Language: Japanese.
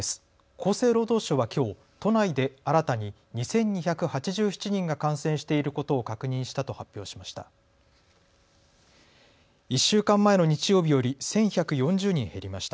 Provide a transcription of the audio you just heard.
厚生労働省はきょう都内で新たに２２８７人が感染していることを確認したと発表しました。